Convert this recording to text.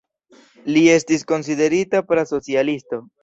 Li estis konsiderita pra-socialisto.